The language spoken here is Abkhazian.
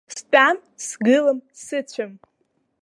Стәам, сгылам, сыҵәам.